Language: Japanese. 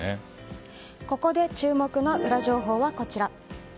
ここで注目の裏情報はこちら。